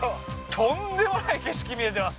とんでもない景色見えてます